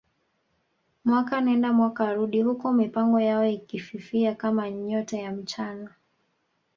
Mwaka nenda mwaka rudi huku mipango yao ikififia kama nyota ya mchana